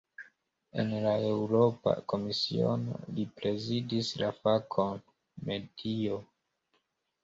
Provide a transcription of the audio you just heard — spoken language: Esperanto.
En la Eŭropa Komisiono, li prezidis la fakon "medio".